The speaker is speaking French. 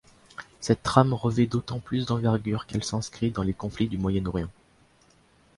Cette trame revêt d'autant plus d'envergure qu'elle s'inscrit dans les conflits du Moyen-Orient.